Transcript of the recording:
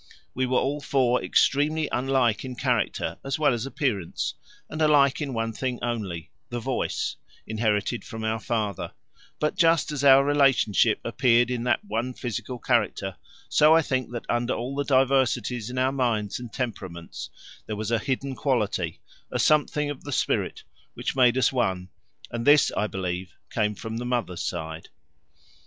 We were all four extremely unlike in character as well as appearance, and alike in one thing only the voice, inherited from our father; but just as our relationship appeared in that one physical character, so I think that under all the diversities in our minds and temperaments there was a hidden quality, a something of the spirit, which made us one; and this, I believe, came from the mother's side.